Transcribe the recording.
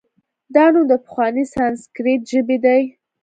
دا نوم د پخوانۍ سانسکریت ژبې دی